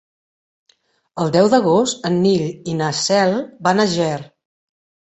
El deu d'agost en Nil i na Cel van a Ger.